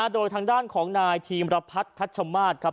โดยทางด้านของนายธีมรพัฒน์คัชมาศครับ